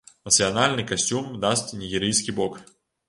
Нацыянальны касцюм дасць нігерыйскі бок.